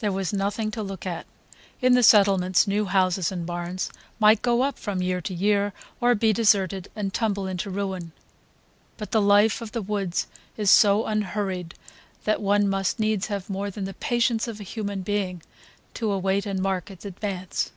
There was nothing to look at; in the settlements new houses and barns might go up from year to year, or be deserted and tumble into ruin; but the life of the woods is so unhurried that one must needs have more than the patience of a human being to await and mark its advance.